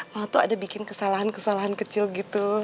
mama tuh ada bikin kesalahan kesalahan kecil gitu